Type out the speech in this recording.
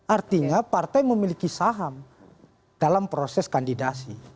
artinya partai memiliki saham dalam proses kandidasi